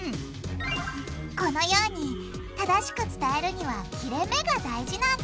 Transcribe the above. このように正しく伝えるには切れめが大事なんだ！